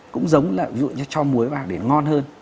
cũng giống là cho muối vào để ngon hơn